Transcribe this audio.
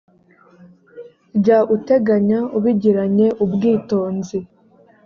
jya uteganya ubigiranye ubwitonzi